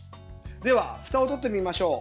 では、ふたをとってみましょう。